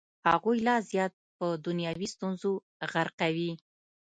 هغوی لا زیات په دنیوي ستونزو غرقوي.